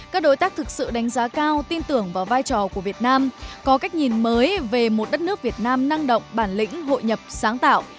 các đối tác thực sự đánh giá cao tin tưởng vào vai trò của việt nam có cách nhìn mới về một đất nước việt nam năng động bản lĩnh hội nhập sáng tạo